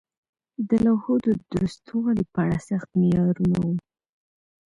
د لوحو د درستوالي په اړه سخت معیارونه وو.